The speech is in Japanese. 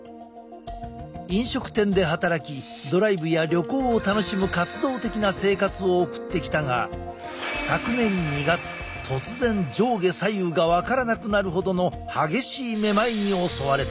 飲食店で働きドライブや旅行を楽しむ活動的な生活を送ってきたが昨年２月突然上下左右が分からなくなるほどの激しいめまいに襲われた。